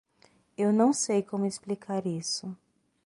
Eu não sei como explicar isso.